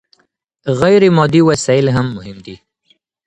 غير مادي وسايل هم مهم دي.